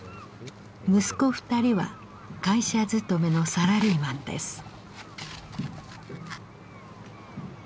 息子２人は会社勤めのサラリーマンです。